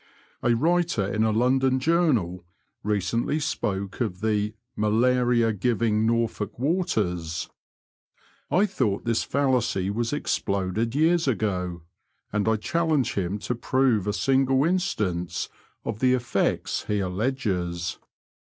A writer in a London journal recently spoke of the malariangiring Norfolk waters." I thought this fallacy was exploded years ago, and I challenge him to prove a single instance of the effSects he alleges.